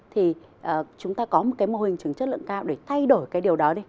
thì chúng ta có một cái mô hình trường chất lượng cao để thay đổi cái điều đó đi